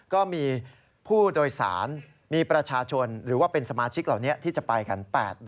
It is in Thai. ก็มีผู้โดยสารมีประชาชนหรือว่าเป็นสมาชิกเหล่านี้ที่จะไปกัน๘๐๐